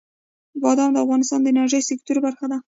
بادام د افغانستان د انرژۍ سکتور برخه ده.